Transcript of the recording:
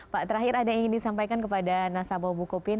pak terakhir ada yang ingin disampaikan kepada nasabah bukopin